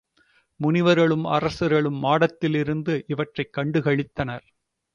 முனிவர்களும் அரசர் களும் மாடத்தில் இருந்து இவற்றைக் கண்டு களித்தனர்.